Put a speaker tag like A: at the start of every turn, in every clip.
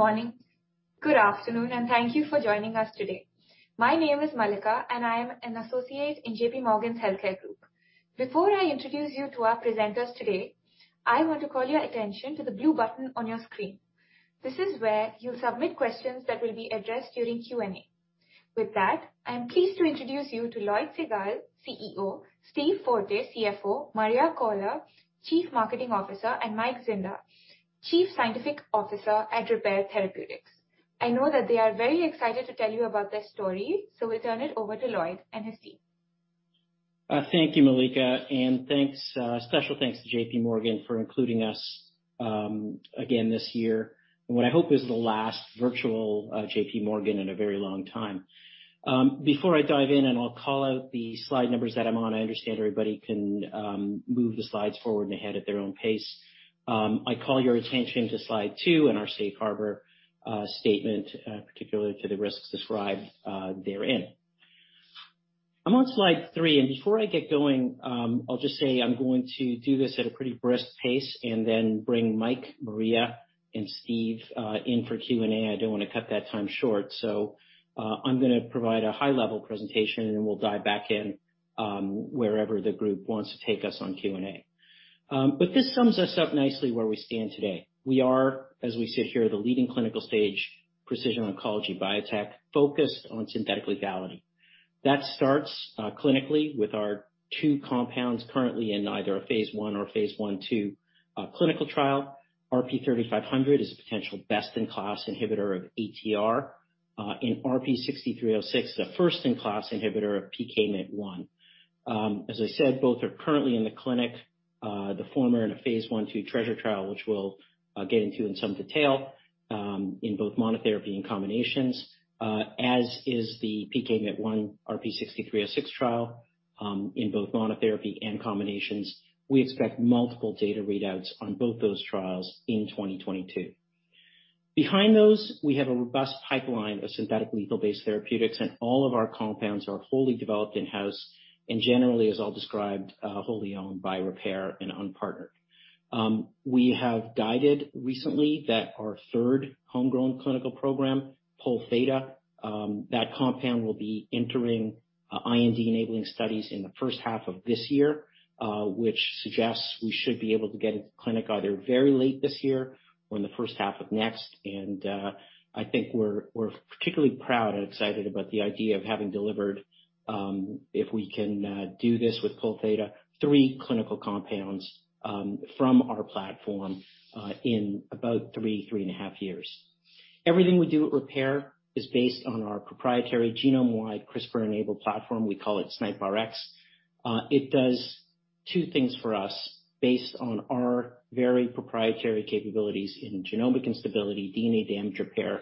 A: Good morning, good afternoon, and thank you for joining us today. My name is Malika, and I am an associate in JPMorgan's Healthcare Group. Before I introduce you to our presenters today, I want to call your attention to the blue button on your screen. This is where you'll submit questions that will be addressed during Q&A. With that, I am pleased to introduce you to Lloyd Segal, CEO, Steve Forte, CFO, Maria Koehler, Chief Medical Officer, and Michael Zinda, Chief Scientific Officer at Repare Therapeutics. I know that they are very excited to tell you about their story, so we turn it over to Lloyd and his team.
B: Thank you, Malika, and thanks, special thanks to J.P. Morgan for including us, again this year in what I hope is the last virtual, JPMorgan in a very long time. Before I dive in, I'll call out the slide numbers that I'm on. I understand everybody can move the slides forward and ahead at their own pace. I call your attention to slide two and our safe harbor statement, particularly to the risks described therein. I'm on slide three, and before I get going, I'll just say I'm going to do this at a pretty brisk pace and then bring Mike, Maria, and Steve in for Q&A. I don't wanna cut that time short, so I'm gonna provide a high-level presentation, and then we'll dive back in, wherever the group wants to take us on Q&A. This sums us up nicely where we stand today. We are, as we sit here, the leading clinical-stage precision oncology biotech focused on synthetic lethality. That starts clinically with our two compounds currently in either phase I or phase I/II clinical trial. RP-3500 is a potential best-in-class inhibitor of ATR, and RP-6306 is a first-in-class inhibitor of PKMYT1. As I said, both are currently in the clinic, the former in phase I/II TRESR trial, which we'll get into in some detail, in both monotherapy and combinations. As is the PKMYT1 RP-6306 trial, in both monotherapy and combinations, we expect multiple data readouts on both those trials in 2022. Behind those, we have a robust pipeline of synthetic lethal-based therapeutics, and all of our compounds are wholly developed in-house and generally, as I'll describe, wholly owned by Repare and unpartnered. We have guided recently that our third homegrown clinical program, Pol theta, that compound will be entering IND-enabling studies in the first half of this year, which suggests we should be able to get into clinic either very late this year or in the first half of next. I think we're particularly proud and excited about the idea of having delivered, if we can, do this with Pol theta, three clinical compounds from our platform in about three and a half years. Everything we do at Repare is based on our proprietary genome-wide CRISPR-enabled platform. We call it SNIPRx. It does two things for us based on our very proprietary capabilities in genomic instability, DNA damage repair,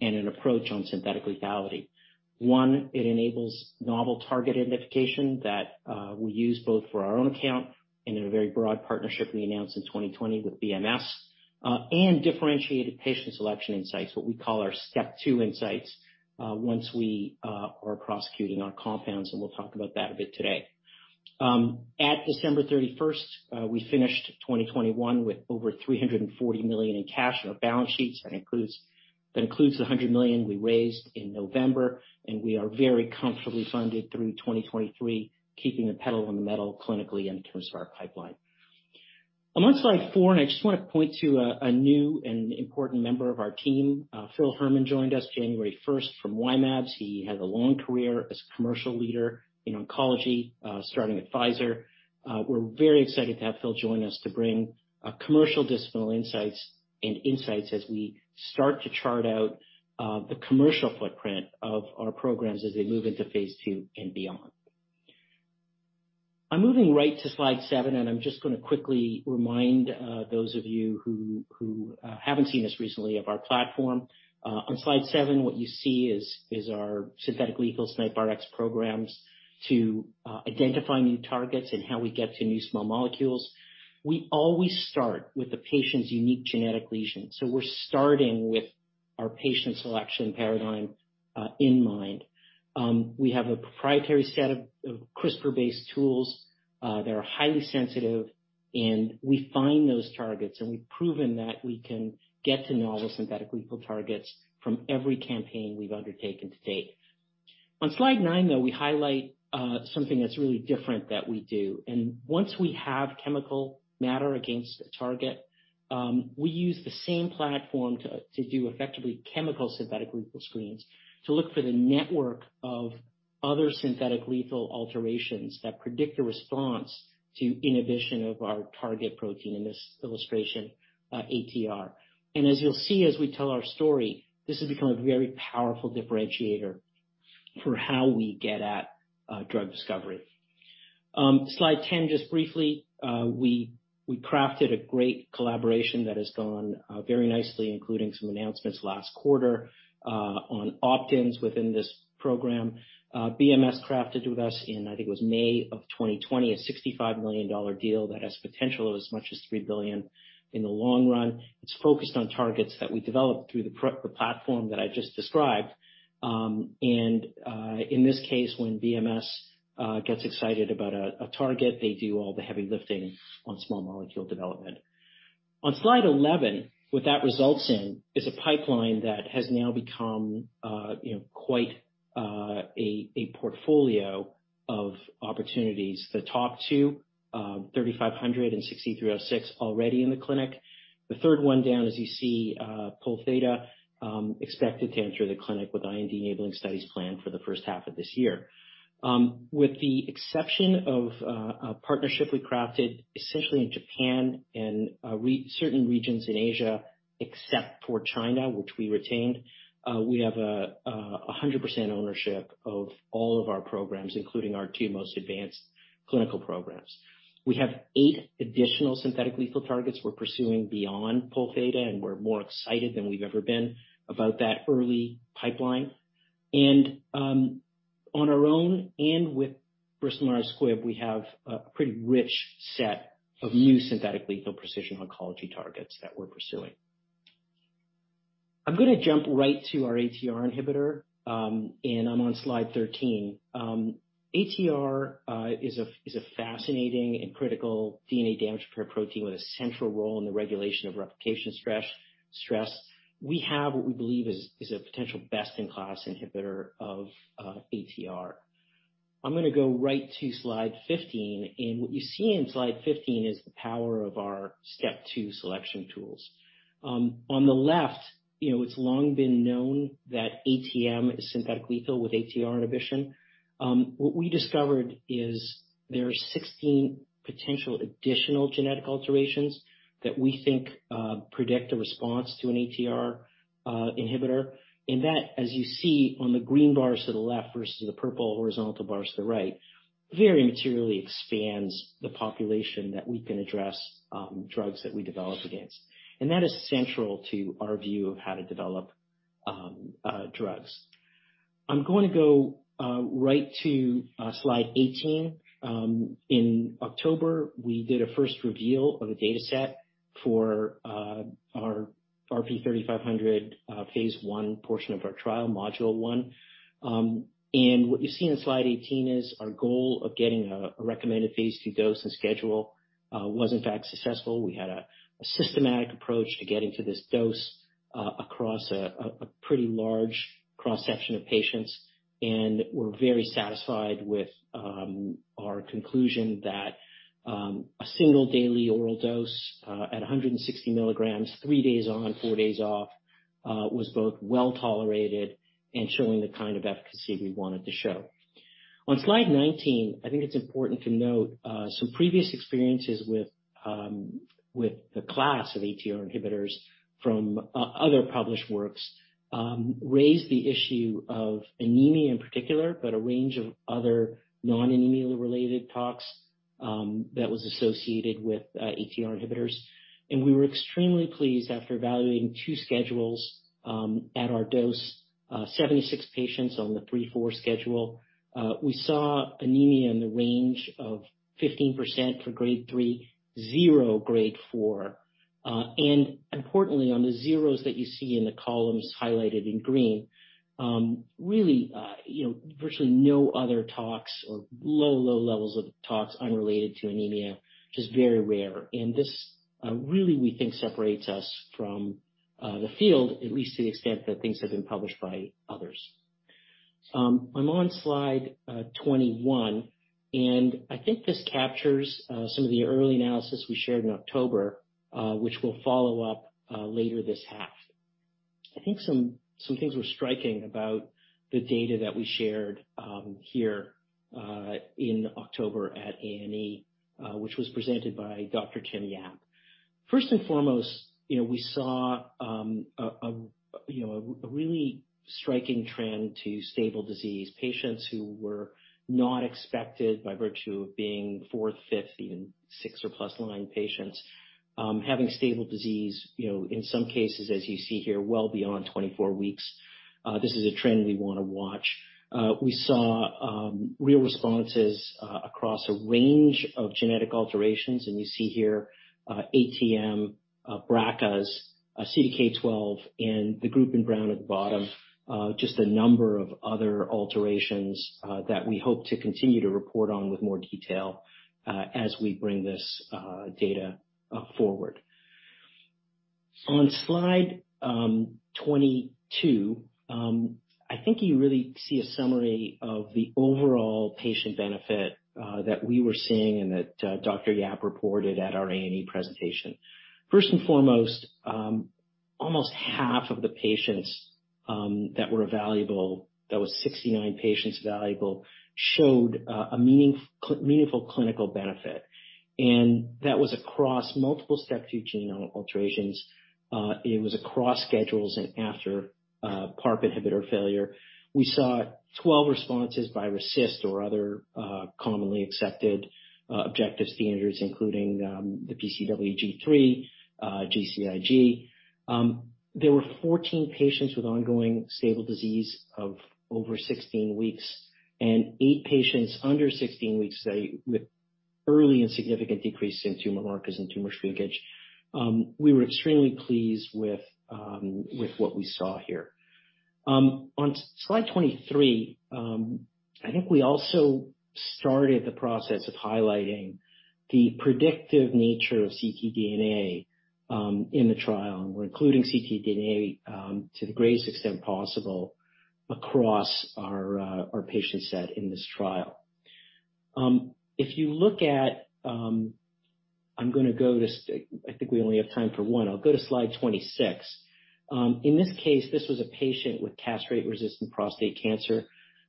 B: and an approach on synthetic lethality. One, it enables novel target identification that we use both for our own account and in a very broad partnership we announced in 2020 with BMS, and differentiated patient selection insights, what we call our step two insights, once we are prosecuting our compounds, and we'll talk about that a bit today. At December 31, we finished 2021 with over $340 million in cash on our balance sheets. That includes the $100 million we raised in November, and we are very comfortably funded through 2023, keeping the pedal on the metal clinically in terms of our pipeline. I'm on slide four, and I just wanna point to a new and important member of our team. Phil Herman joined us January 1 from Y-mAbs. He has a long career as a commercial leader in oncology, starting at Pfizer. We're very excited to have Phil join us to bring commercial discipline insights as we start to chart out the commercial footprint of our programs as they move into phase II and beyond. I'm moving right to slide seven, and I'm just gonna quickly remind those of you who haven't seen this recently of our platform. On slide seven, what you see is our synthetic lethal SNIPRx programs to identify new targets and how we get to new small molecules. We always start with the patient's unique genetic lesion, so we're starting with our patient selection paradigm in mind. We have a proprietary set of CRISPR-based tools that are highly sensitive, and we find those targets, and we've proven that we can get to novel synthetic lethal targets from every campaign we've undertaken to date. On slide nine, though, we highlight something that's really different that we do, and once we have chemical matter against a target, we use the same platform to do effectively chemical synthetic lethal screens to look for the network of other synthetic lethal alterations that predict a response to inhibition of our target protein, in this illustration, ATR. As you'll see as we tell our story, this has become a very powerful differentiator for how we get at drug discovery. Slide ten, just briefly, we crafted a great collaboration that has gone very nicely, including some announcements last quarter, on opt-ins within this program. BMS crafted with us in, I think it was May 2020, a $65 million deal that has potential of as much as $3 billion in the long run. It's focused on targets that we developed through the platform that I just described. In this case, when BMS gets excited about a target, they do all the heavy lifting on small molecule development. On slide 11, what that results in is a pipeline that has now become quite a portfolio of opportunities. The top two, RP-3500 and RP-6306 already in the clinic. The third one down, as you see, Pol theta expected to enter the clinic with IND-enabling studies planned for the first half of this year. With the exception of a partnership we crafted essentially in Japan and certain regions in Asia, except for China, which we retained, we have 100% ownership of all of our programs, including our two most advanced clinical programs. We have eight additional synthetic lethal targets we're pursuing beyond Pol theta, and we're more excited than we've ever been about that early pipeline. On our own and with Bristol Myers Squibb, we have a pretty rich set of new synthetic precision oncology targets that we're pursuing. I'm gonna jump right to our ATR inhibitor, and I'm on slide 13. ATR is a fascinating and critical DNA damage repair protein with a central role in the regulation of replication stress. We have what we believe is a potential best-in-class inhibitor of ATR. I'm gonna go right to slide 15, and what you see in slide 15 is the power of our step two selection tools. On the left, you know, it's long been known that ATM is synthetically lethal with ATR inhibition. What we discovered is there are 16 potential additional genetic alterations that we think predict a response to an ATR inhibitor. That, as you see on the green bars to the left versus the purple horizontal bars to the right, very materially expands the population that we can address, drugs that we develop against. That is central to our view of how to develop drugs. I'm gonna go right to slide 18. In October, we did a first reveal of a dataset for our RP-3500 phase I portion of our trial, module one. What you see on slide 18 is our goal of getting a recommended phase II dose and schedule was in fact successful. We had a systematic approach to getting to this dose across a pretty large cross-section of patients. We're very satisfied with our conclusion that a single daily oral dose at 160 milligrams, three days on, four days off, was both well-tolerated and showing the kind of efficacy we wanted to show. On slide 19, I think it's important to note some previous experiences with the class of ATR inhibitors from other published works raised the issue of anemia in particular, but a range of other non-anemia related tox that was associated with ATR inhibitors. We were extremely pleased after evaluating two schedules at our dose, 76 patients on the three-four schedule. We saw anemia in the range of 15% for grade three, 0 grade four. Importantly, on the zeros that you see in the columns highlighted in green, really, you know, virtually no other tox or low levels of tox unrelated to anemia, just very rare. This really, we think, separates us from the field, at least to the extent that things have been published by others. I'm on slide 21, and I think this captures some of the early analysis we shared in October, which we'll follow up later this half. I think some things were striking about the data that we shared here in October at AACR-NCI-EORTC, which was presented by Dr. Timothy A. Yap. First and foremost, you know, we saw a really striking trend to stable disease patients who were not expected by virtue of being 4, 50, and 6 or plus 9 patients having stable disease, you know, in some cases, as you see here, well beyond 24 weeks. This is a trend we wanna watch. We saw real responses across a range of genetic alterations, and you see here, ATM, BRCA, CDK12, and the group in brown at the bottom, just a number of other alterations that we hope to continue to report on with more detail as we bring this data forward. On slide 22, I think you really see a summary of the overall patient benefit that we were seeing and that, Dr. Yap reported at our ANE presentation. First and foremost, almost half of the patients that were evaluable, that was 69 patients evaluable, showed a meaningful clinical benefit. That was across multiple step two genomic alterations. It was across schedules and after PARP inhibitor failure. We saw 12 responses by RECIST or other commonly accepted objective standards, including the PCWG3, GCIG. There were 14 patients with ongoing stable disease of over 16 weeks, and 8 patients under 16 weeks with early and significant decreases in tumor markers and tumor shrinkage. We were extremely pleased with what we saw here. On slide 23, I think we also started the process of highlighting the predictive nature of ctDNA in the trial, and we're including ctDNA to the greatest extent possible across our patient set in this trial. I think we only have time for one. I'll go to slide 26. In this case, this was a patient with castrate-resistant prostate cancer.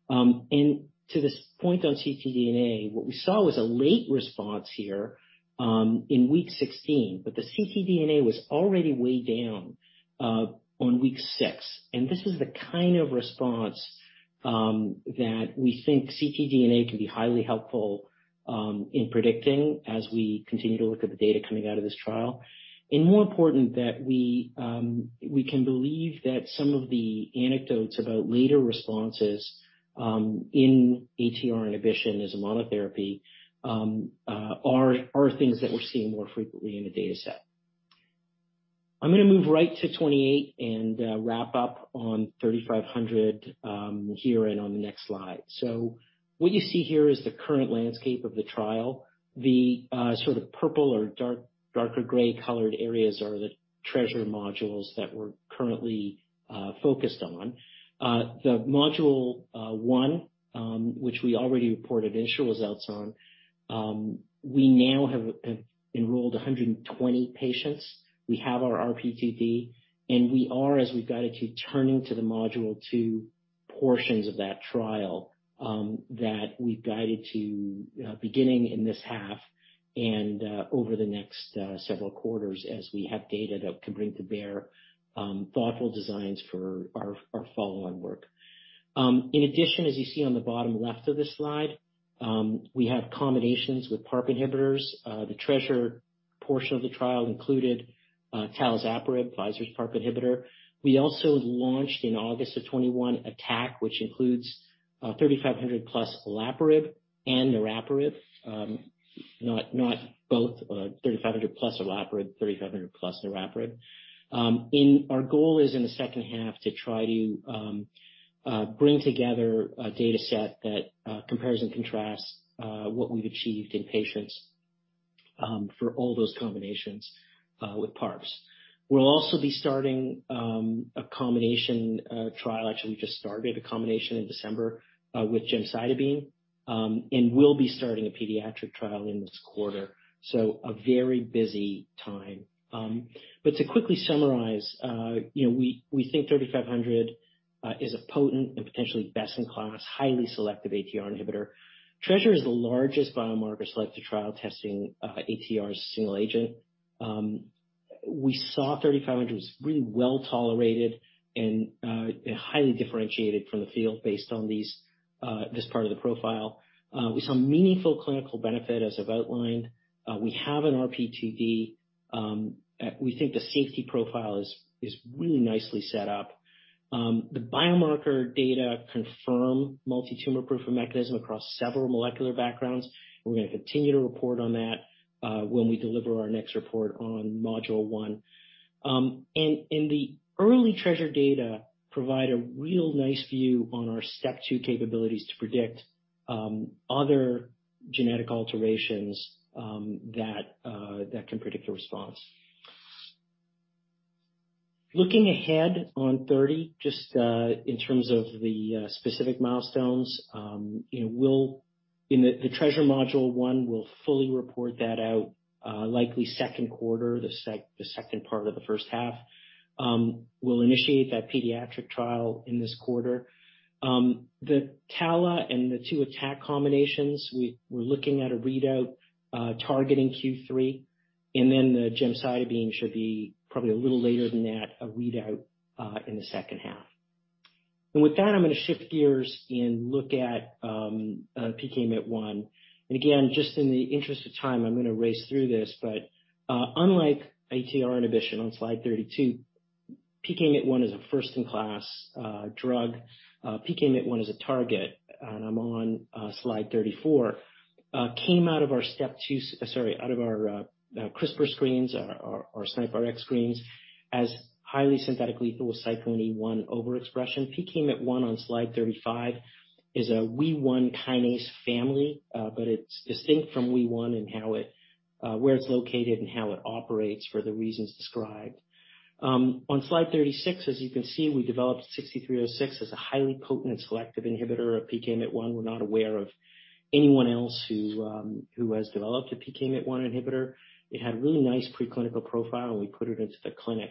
B: To this point on ctDNA, what we saw was a late response here in week 16, but the ctDNA was already way down on week 6. This is the kind of response that we think ctDNA can be highly helpful in predicting as we continue to look at the data coming out of this trial. More important that we can believe that some of the anecdotes about later responses in ATR inhibition as a monotherapy are things that we're seeing more frequently in the data set. I'm gonna move right to 28 and wrap up on RP-3500 here and on the next slide. What you see here is the current landscape of the trial. The sort of purple or darker gray colored areas are the TRESR modules that we're currently focused on. The Module 1, which we already reported initial results on, we now have enrolled 120 patients. We have our RPTD, and we are, as we've guided to, turning to the module two portions of that trial, beginning in this half and over the next several quarters as we have data that we can bring to bear, thoughtful designs for our follow-on work. In addition, as you see on the bottom left of this slide, we have combinations with PARP inhibitors. The TRESR portion of the trial included talazoparib, Pfizer's PARP inhibitor. We also launched in August 2021, ATTACC, which includes RP-3500 plus olaparib and niraparib. Not both, RP-3500 plus olaparib, RP-3500 plus niraparib. Our goal is in the second half to try to bring together a data set that compares and contrasts what we've achieved in patients for all those combinations with PARPs. We'll also be starting a combination trial. Actually, we just started a combination in December with gemcitabine. We'll be starting a pediatric trial in this quarter, so a very busy time. To quickly summarize, you know, we think RP-3500 is a potent and potentially best in class, highly selective ATR inhibitor. TRESR is the largest biomarker selective trial testing ATR as a single agent. We saw RP-3500 was really well-tolerated and highly differentiated from the field based on this part of the profile. We saw meaningful clinical benefit, as I've outlined. We have an RPTD. We think the safety profile is really nicely set up. The biomarker data confirm multi-tumor proof of mechanism across several molecular backgrounds. We're gonna continue to report on that when we deliver our next report on module one. The early TRESR data provide a real nice view on our step two capabilities to predict other genetic alterations that can predict a response. Looking ahead to 2023, just in terms of the specific milestones, you know, in the TRESR module one, we'll fully report that out likely second quarter, the second part of the first half. We'll initiate that pediatric trial in this quarter. The talazoparib and the ATTACC combinations, we're looking at a readout targeting Q3. The gemcitabine should be probably a little later than that, a readout in the second half. With that, I'm gonna shift gears and look at PKMYT1. Again, just in the interest of time, I'm gonna race through this. Unlike ATR inhibition on slide 32, PKMYT1 is a first-in-class drug. PKMYT1 is a target, and I'm on slide 34. Came out of our step two, sorry, out of our CRISPR screens, our SNIPRx screens, as highly synthetic lethal with cyclin E1 overexpression. PKMYT1 on slide 35 is a WEE1 kinase family, but it's distinct from WEE1 in how it, where it's located and how it operates for the reasons described. On slide 36, as you can see, we developed 6306 as a highly potent and selective inhibitor of PKMYT1. We're not aware of anyone else who has developed a PKMYT1 inhibitor. It had a really nice preclinical profile, and we put it into the clinic.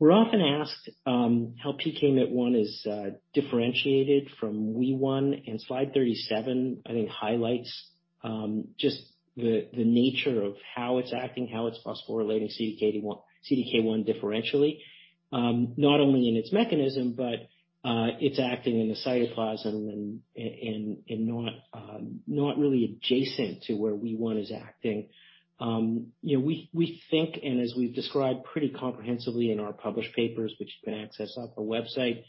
B: We're often asked how PKMYT1 is differentiated from WEE1, and slide 37, I think, highlights just the nature of how it's acting, how it's phosphorylating CDK1 differentially, not only in its mechanism, but it's acting in the cytoplasm and not really adjacent to where WEE1 is acting. You know, we think, and as we've described pretty comprehensively in our published papers, which you can access off our website,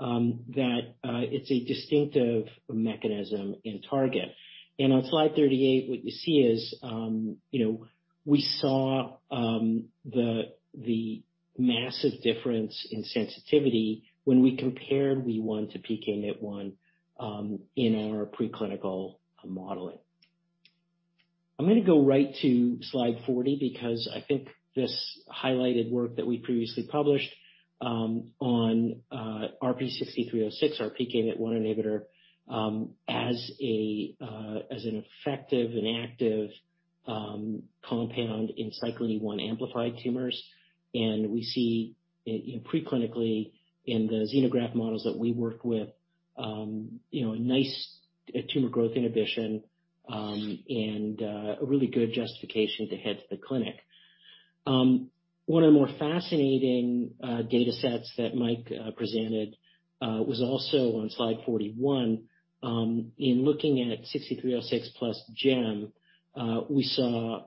B: that it's a distinctive mechanism and target. On slide 38, what you see is, you know, we saw the massive difference in sensitivity when we compared WEE1 to PKMYT1 in our preclinical modeling. I'm gonna go right to slide 40 because I think this highlighted work that we previously published on RP-6306, our PKMYT1 inhibitor, as an effective and active compound in cyclin E1 amplified tumors. We see in preclinical in the xenograft models that we worked with, you know, a nice tumor growth inhibition and a really good justification to head to the clinic. One of the more fascinating data sets that Mike presented was also on slide 41. In looking at RP-6306 plus gemcitabine, we saw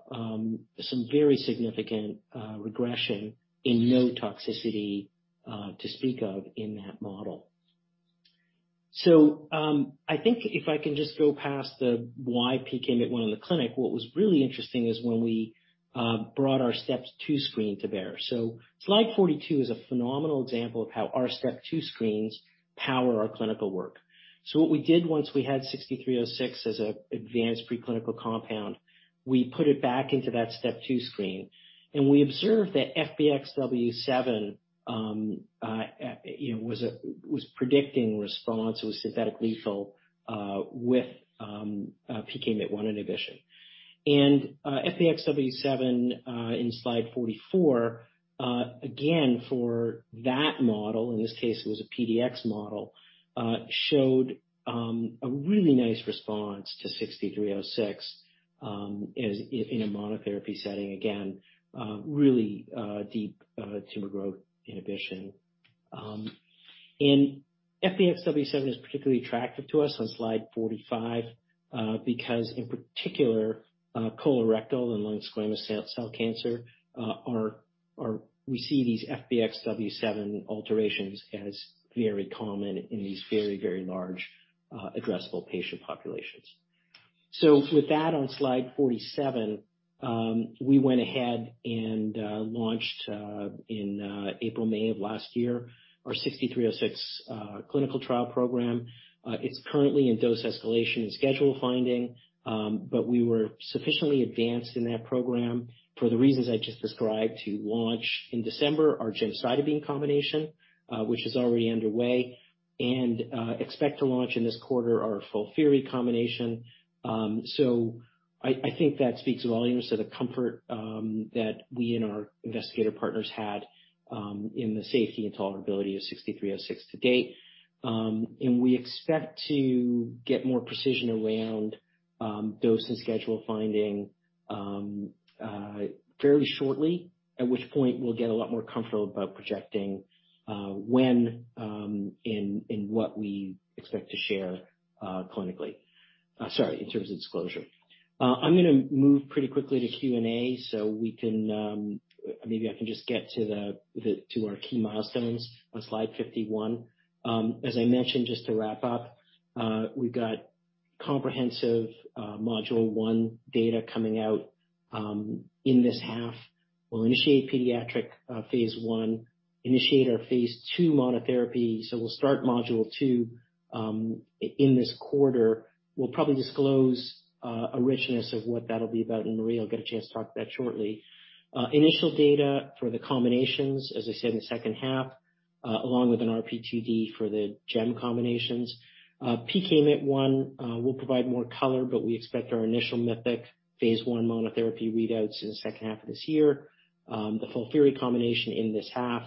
B: some very significant regression and no toxicity to speak of in that model. I think if I can just go past the why PKMYT1 in the clinic, what was really interesting is when we brought our step two screen to bear. Slide 42 is a phenomenal example of how our step two screens power our clinical work. What we did once we had RP-6306 as an advanced pre-clinical compound, we put it back into that step two screen, and we observed that FBXW7, you know, was predicting response. It was synthetic lethal with PKMYT1 inhibition. FBXW7 in slide 44, again, for that model, in this case it was a PDX model, showed a really nice response to RP-6306, as in a monotherapy setting. Again, really deep tumor growth inhibition. FBXW7 is particularly attractive to us on slide 45 because in particular, colorectal and lung squamous cell cancer, we see these FBXW7 alterations as very common in these very, very large addressable patient populations. With that, on slide 47, we went ahead and launched in April, May of last year, our RP-6306 clinical trial program. It's currently in dose escalation and schedule finding, but we were sufficiently advanced in that program for the reasons I just described, to launch in December our gemcitabine combination, which is already underway, and expect to launch in this quarter our fulvestrant combination. I think that speaks volumes to the comfort that we and our investigator partners had in the safety and tolerability of RP-6306 to date. We expect to get more precision around dose and schedule finding fairly shortly, at which point we'll get a lot more comfortable about projecting when and what we expect to share clinically. Sorry, in terms of disclosure. I'm gonna move pretty quickly to Q&A, so we can maybe just get to our key milestones on slide 51. As I mentioned, just to wrap up, we've got comprehensive module one data coming out in this half. We'll initiate pediatric phase I, initiate our phase II monotherapy. We'll start module two in this quarter. We'll probably disclose a richness of what that'll be about, and Maria will get a chance to talk to that shortly. Initial data for the combinations, as I said, in the second half, along with an RPTD for the GEM combinations. PKMYT1, we'll provide more color, but we expect our initial MYTHIC phase I monotherapy readouts in the second half of this year. The fulvestrant combination in this half.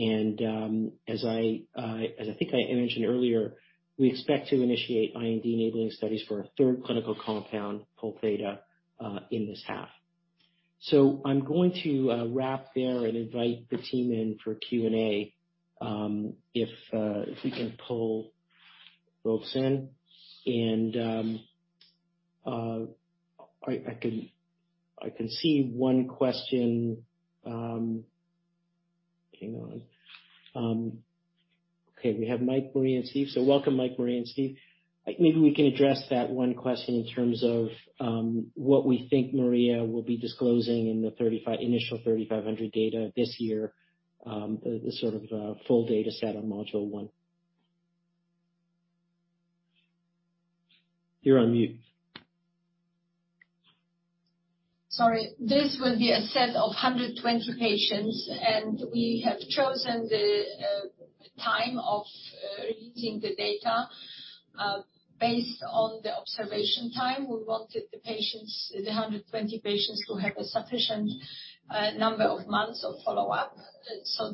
B: I think I mentioned earlier, we expect to initiate IND-enabling studies for a third clinical compound, Pol theta, in this half. I'm going to wrap there and invite the team in for Q&A, if we can pull folks in. I can see one question. Hang on. Okay, we have Mike, Maria, and Steve. Welcome, Mike, Maria, and Steve. Maybe we can address that one question in terms of what we think Maria will be disclosing in the RP-3500 initial data this year, the sort of full data set on module one. You're on mute.
C: Sorry. This will be a set of 120 patients, and we have chosen the time of releasing the data based on the observation time. We wanted the patients, the 120 patients to have a sufficient number of months of follow-up.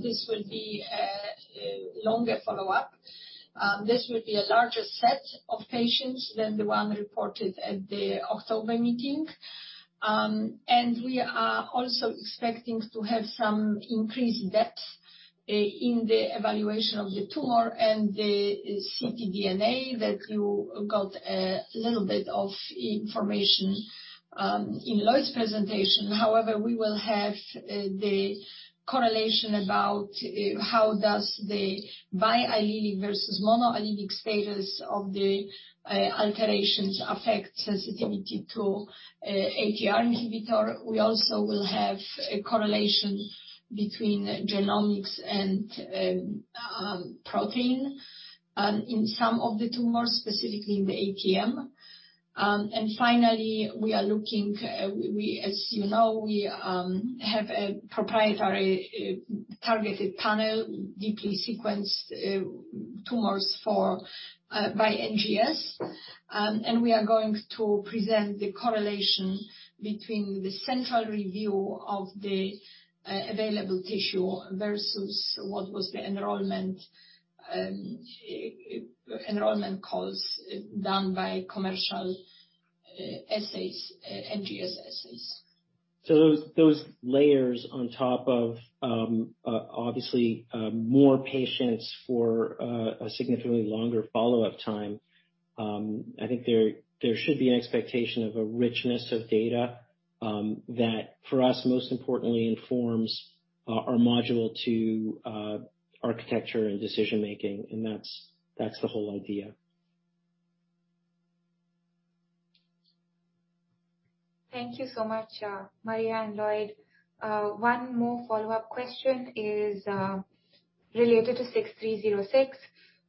C: This will be a longer follow-up. This will be a larger set of patients than the one reported at the October meeting. We are also expecting to have some increased depth in the evaluation of the tumor and the ctDNA that you got a little bit of information in Lloyd's presentation. However, we will have the correlation about how does the biallelic versus monoallelic status of the alterations affect sensitivity to ATR inhibitor. We also will have a correlation between genomics and proteomics in some of the tumors, specifically in the ATM. Finally, as you know, we have a proprietary targeted panel, deeply sequenced tumors by NGS. We are going to present the correlation between the central review of the available tissue versus what was the enrollment criteria done by commercial assays, NGS assays.
B: Those layers on top of obviously more patients for a significantly longer follow-up time. I think there should be an expectation of a richness of data that for us, most importantly informs our modular architecture and decision making. That's the whole idea.
A: Thank you so much, Maria and Lloyd. One more follow-up question is related to RP-6306.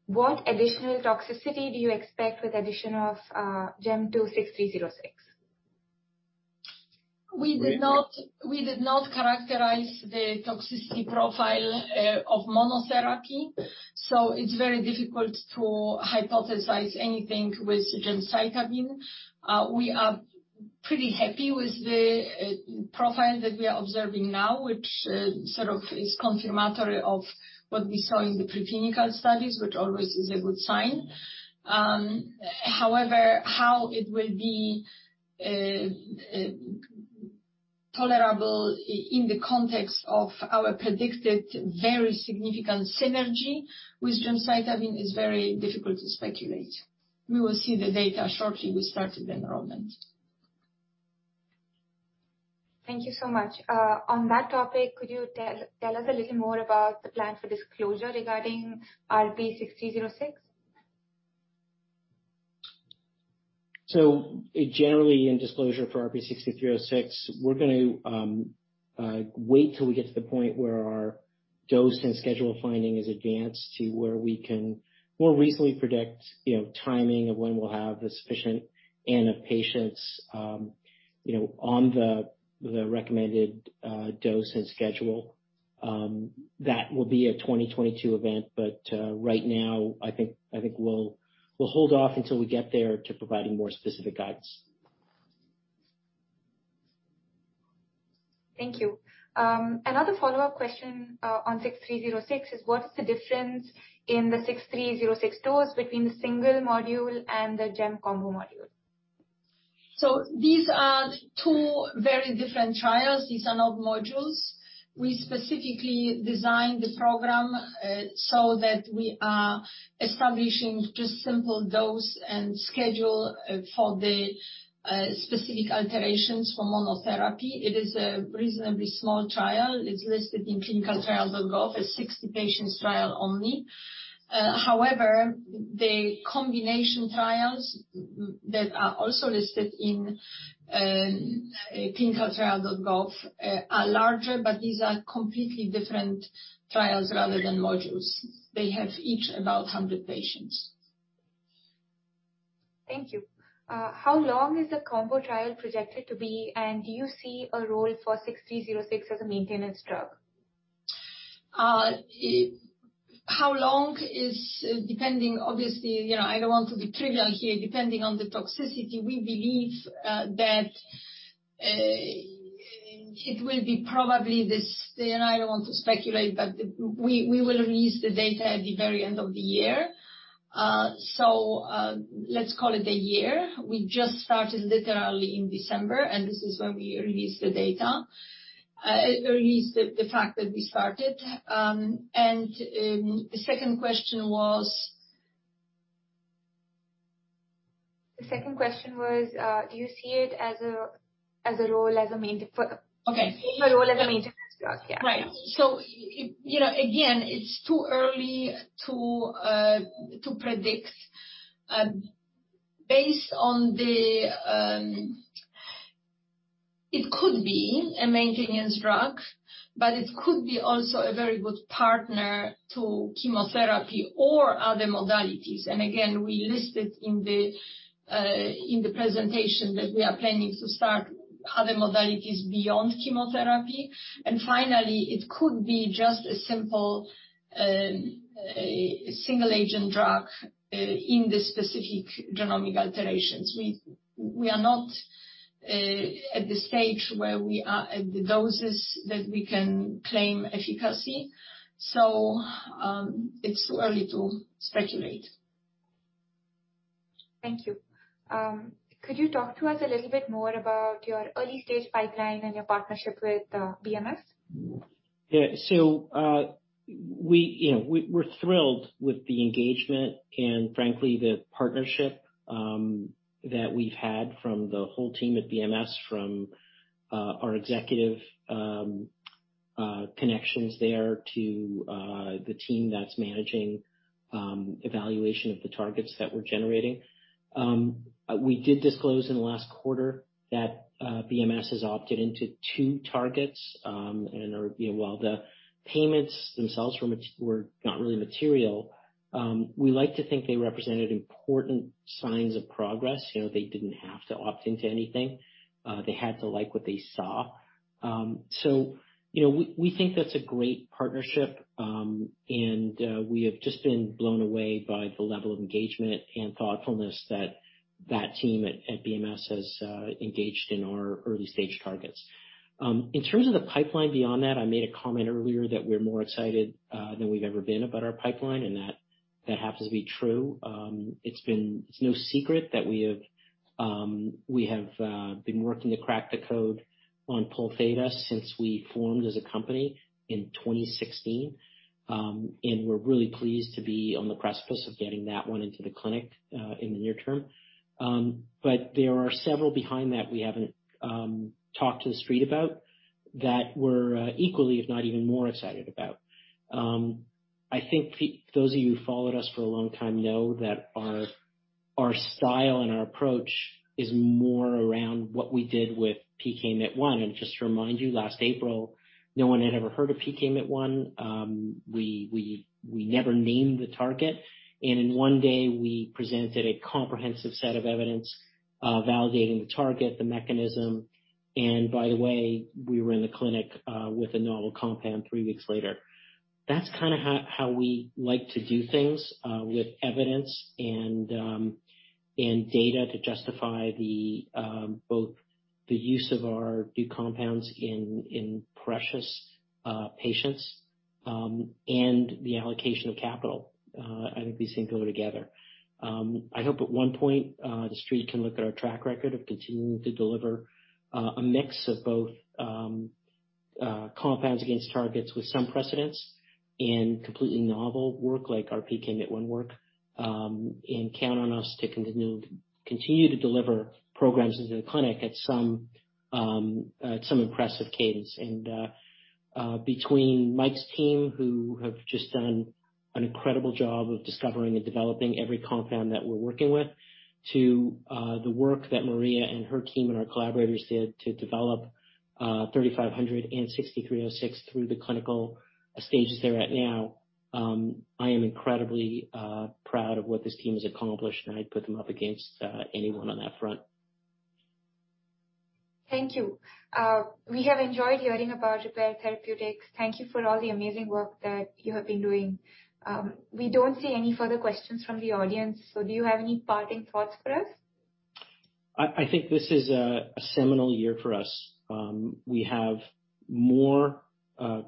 A: What additional toxicity do you expect with addition of GEM to RP-6306?
C: We did not characterize the toxicity profile of monotherapy, so it's very difficult to hypothesize anything with gemcitabine. We are pretty happy with the profile that we are observing now, which sort of is confirmatory of what we saw in the preclinical studies, which always is a good sign. However, how it will be tolerable in the context of our predicted very significant synergy with gemcitabine is very difficult to speculate. We will see the data shortly. We started enrollment.
A: Thank you so much. On that topic, could you tell us a little more about the plan for disclosure regarding RP-6306?
B: Generally, in disclosure for RP-6306, we're gonna wait till we get to the point where our dose and schedule finding is advanced to where we can more reasonably predict, you know, timing of when we'll have a sufficient N of patients, you know, on the recommended dose and schedule. That will be a 2022 event, but right now, I think we'll hold off until we get there to providing more specific guidance.
A: Thank you. Another follow-up question on RP-6306 is what is the difference in the RP-6306 dose between the single module and the GEM combo module?
C: These are two very different trials. These are not modules. We specifically designed the program so that we are establishing just simple dose and schedule for the specific alterations for monotherapy. It is a reasonably small trial. It's listed in clinicaltrials.gov as 60 patients trial only. However, the combination trials that are also listed in clinicaltrials.gov are larger, but these are completely different trials rather than modules. They have each about 100 patients.
A: Thank you. How long is the combo trial projected to be, and do you see a role for RP-6306 as a maintenance drug?
C: How long is it depending, obviously, you know, I don't want to be trivial here. Depending on the toxicity, we believe that it will be probably this, and I don't want to speculate, but we will release the data at the very end of the year. Let's call it a year. We just started literally in December, and this is when we release the data, release the fact that we started. The second question was?
A: The second question was, do you see it as a role, as a main
C: Okay.
A: A role as a maintenance drug, yeah.
C: Right. You know, again, it's too early to predict. It could be a maintenance drug, but it could be also a very good partner to chemotherapy or other modalities. Again, we listed in the presentation that we are planning to start other modalities beyond chemotherapy. Finally, it could be just a simple, a single agent drug in the specific genomic alterations. We are not at the stage where we are at the doses that we can claim efficacy, so it's too early to speculate.
A: Thank you. Could you talk to us a little bit more about your early-stage pipeline and your partnership with BMS?
B: Yeah. You know, we're thrilled with the engagement and frankly the partnership that we've had from the whole team at BMS, from our executive connections there to the team that's managing evaluation of the targets that we're generating. We did disclose in the last quarter that BMS has opted into two targets and are, you know, while the payments themselves were not really material. We like to think they represented important signs of progress. You know, they didn't have to opt into anything. They had to like what they saw. You know, we think that's a great partnership, and we have just been blown away by the level of engagement and thoughtfulness that team at BMS has engaged in our early-stage targets. In terms of the pipeline beyond that, I made a comment earlier that we're more excited than we've ever been about our pipeline, and that happens to be true. It's no secret that we have been working to crack the code on Pol theta since we formed as a company in 2016. We're really pleased to be on the precipice of getting that one into the clinic in the near term. There are several behind that we haven't talked to the street about that we're equally, if not even more excited about. I think those of you who followed us for a long time know that our style and our approach is more around what we did with PKMYT1. Just to remind you, last April, no one had ever heard of PKMYT1. We never named the target. In one day we presented a comprehensive set of evidence validating the target, the mechanism. By the way, we were in the clinic with a novel compound three weeks later. That's kinda how we like to do things with evidence and data to justify both the use of our new compounds in precious patients and the allocation of capital. I think these things go together. I hope at one point the street can look at our track record of continuing to deliver a mix of both compounds against targets with some precedence and completely novel work like our PKMYT1 work. Count on us to continue to deliver programs into the clinic at some impressive cadence. Between Mike's team, who have just done an incredible job of discovering and developing every compound that we're working with, to the work that Maria and her team and our collaborators did to develop RP-3500 and RP-6306 through the clinical stages they're at now. I am incredibly proud of what this team has accomplished, and I'd put them up against anyone on that front.
A: Thank you. We have enjoyed hearing about Repare Therapeutics. Thank you for all the amazing work that you have been doing. We don't see any further questions from the audience, so do you have any parting thoughts for us?
B: I think this is a seminal year for us. We have more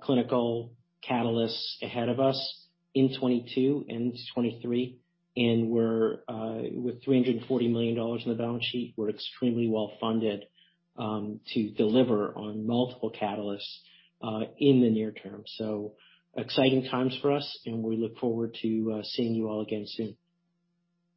B: clinical catalysts ahead of us in 2022 and 2023, and we're with $340 million in the balance sheet, we're extremely well funded to deliver on multiple catalysts in the near term. Exciting times for us, and we look forward to seeing you all again soon.